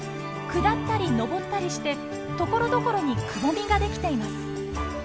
下ったり上ったりしてところどころにくぼみが出来ています。